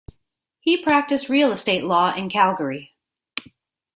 He practised real estate law in Calgary.